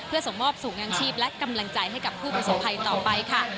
เพื่อส่งมอบสูงยังชีพและกำลังใจให้กับผู้ประสบภัยต่อไปค่ะ